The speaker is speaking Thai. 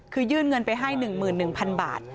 คือยื่นเงินไปให้๑หมื่น๑พันบาท